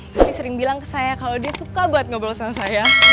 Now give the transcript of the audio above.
tapi sering bilang ke saya kalau dia suka buat ngobrol sama saya